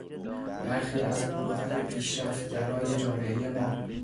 برخی از گروههای پیشرفت گرای جامعهی ما